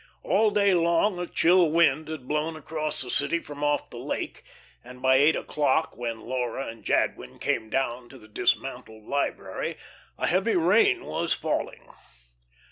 All day long a chill wind had blown across the city from off the lake, and by eight o'clock, when Laura and Jadwin came down to the dismantled library, a heavy rain was falling.